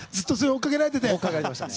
追っかけられてましたね。